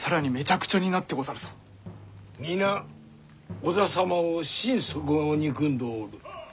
皆織田様を心底憎んでおる。